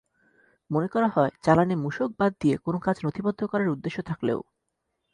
মনে করা হয়, চালানে মূসক বাদ দিয়ে কোনো কাজ নথিবদ্ধ করার উদ্দেশ্য থাকলেও